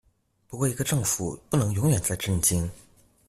不過一個政府不能永遠在震驚